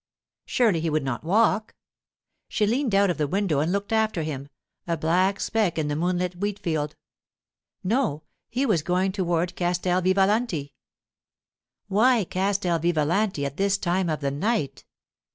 Surely he would not walk. She leaned out of the window and looked after him, a black speck in the moonlit wheat field. No, he was going toward Castel Vivalanti. Why Castel Vivalanti at this time of the night?